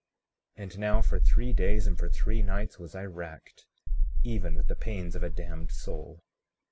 36:16 And now, for three days and for three nights was I racked, even with the pains of a damned soul.